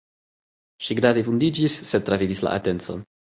Ŝi grave vundiĝis, sed travivis la atencon.